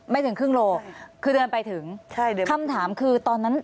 ถึงครึ่งโลคือเดินไปถึงใช่เดินคำถามคือตอนนั้น